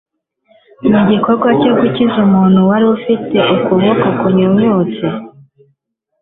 Mu gikorwa cyo gukiza umuntu wari ufite ukuboko kunyunyutse,